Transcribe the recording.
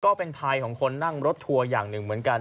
ก็เป็นภัยของคนนั่งรถทัวร์อย่างหนึ่งเหมือนกัน